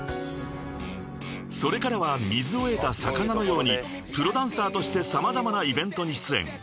［それからは水を得た魚のようにプロダンサーとして様々なイベントに出演］